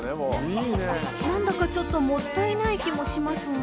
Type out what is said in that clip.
［何だかちょっともったいない気もしますが］